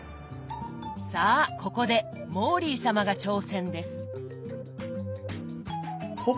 さあここでモーリー様が挑戦です。